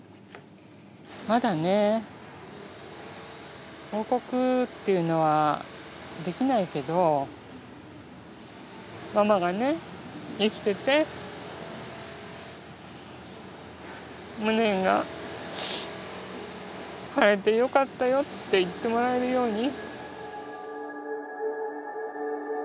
まだね報告っていうのはできないけどママがね生きてて無念が晴れてよかったよって言ってもらえるように。